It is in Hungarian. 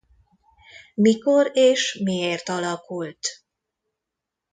Mikor és miért alakult?